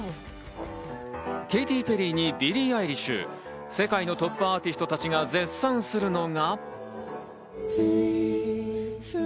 ケイティ・ペリーにビリー・アイリッシュ、世界のトップアーティストたちが絶賛するのが。